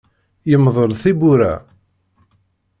Yemdel tiwwura.